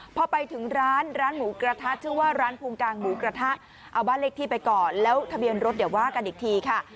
พอไปถึงร้านร้านหมูกระทะชื่อว่าร้านภูมิกลางหมูกระทะเอาบ้านเลขที่ไปก่อนแล้วทะเบียนรถเดี๋ยวว่ากันอีกทีค่ะ